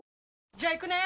じゃあ行くね！